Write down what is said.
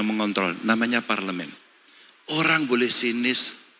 atau mundur mundur di dua ribu lima